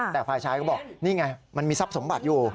แต่ฝ่ายชายก็บอกนี่ไงมันมีทรัพย์สมบัติอยู่